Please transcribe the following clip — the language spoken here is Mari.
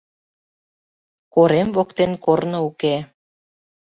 Корем воктен корно уке